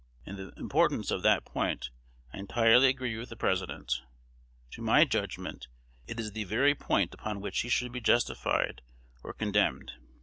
In the importance of that point I entirely agree with the President. To my judgment, it is the very point upon which he should be justified or condemned.